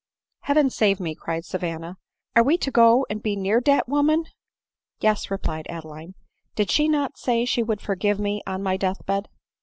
" Heaven save me !" cried Savanna ;" are we to go and be near dat woman ?"" Yes," replied Adeline. " Did she not say she would forgive me on my death bed